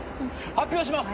発表します！